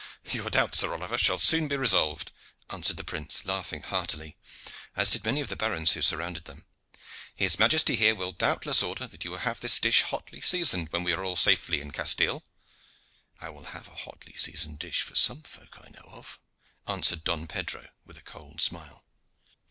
"Your doubts, Sir Oliver, shall soon be resolved," answered the prince, laughing heartily, as did many of the barons who surrounded them. "His majesty here will doubtless order that you have this dish hotly seasoned when we are all safely in Castile." "I will have a hotly seasoned dish for some folk I know of," answered Don Pedro with a cold smile.